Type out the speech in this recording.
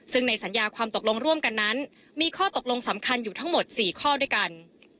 ซึ่งในสัญญาความตกลงร่วมกันนั้นมีข้อตกลงสำคัญอยู่ทั้งหมด๔ข้อด้วยกัน